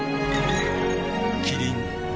キリン「陸」